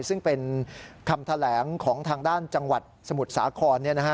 ซึ่งเป็นคำแถลงของทางด้านจังหวัดสมุทรสาคร